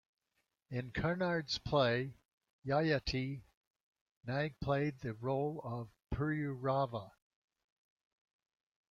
In Karnad's play "Yayati", Nag played the role of Pururava.